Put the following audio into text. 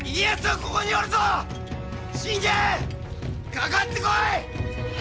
かかってこい！